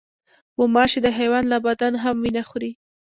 غوماشې د حیوان له بدن هم وینه خوري.